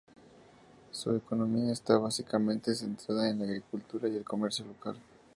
Su economía está básicamente centrada en la agricultura y el comercio local.